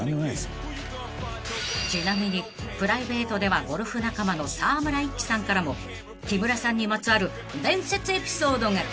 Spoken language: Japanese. ［ちなみにプライベートではゴルフ仲間の沢村一樹さんからも木村さんにまつわる伝説エピソードが］